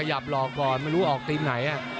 ขยับหลอกมาลับรองทีมไหน